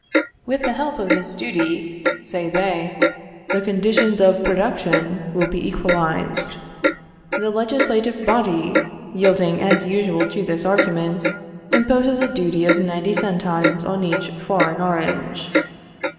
With the help of this duty, say they, the conditions of production will be equalized. The legislative body, yielding as usual to this argument, imposes a duty of ninety centimes on each foreign orange.